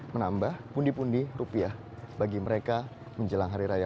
menambah pundi pundi rupiah bagi mereka menjelang hari raya